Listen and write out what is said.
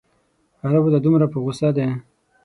عربو ته دومره په غوسه دی.